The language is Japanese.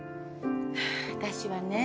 私はね